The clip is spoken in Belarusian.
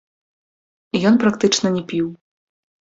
Ён практычна не піў.